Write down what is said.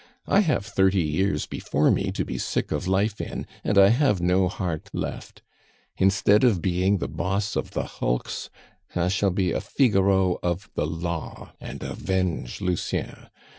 I have thirty years before me to be sick of life in, and I have no heart left. Instead of being the boss of the hulks, I shall be a Figaro of the law, and avenge Lucien.